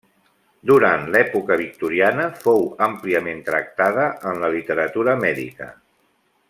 Durant l'època victoriana fou àmpliament tractada en la literatura mèdica.